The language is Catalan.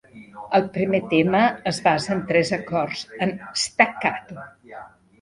El primer tema es basa en tres acords en staccato.